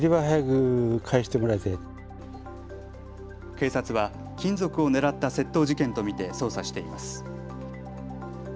警察は金属を狙った窃盗事件と見て捜査しています。